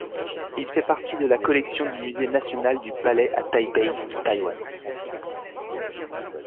Il fait partie de la collection du musée national du Palais à Taipei, Taïwan.